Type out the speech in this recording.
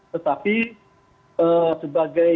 tetapi sebagai tersangka kan waktu ini